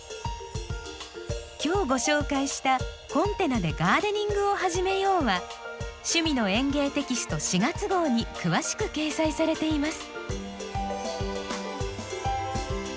今日ご紹介した「コンテナでガーデニングを始めよう！」は「趣味の園芸」テキスト４月号に詳しく掲載されています。